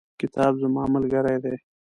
کتاب زما ملګری دی.